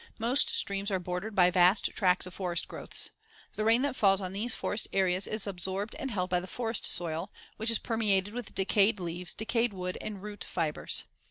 Most streams are bordered by vast tracts of forest growths. The rain that falls on these forest areas is absorbed and held by the forest soil, which is permeated with decayed leaves, decayed wood and root fibers.